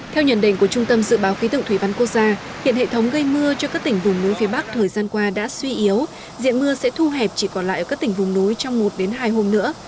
theo nhận định của trung tâm dự báo khí tượng thủy văn quốc gia hiện hệ thống gây mưa cho các tỉnh vùng núi phía bắc thời gian qua đã suy yếu diện mưa sẽ thu hẹp chỉ còn lại ở các tỉnh vùng núi trong một hai hôm nữa